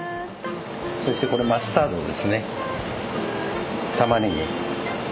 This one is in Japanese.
そしてこれマスタードですね。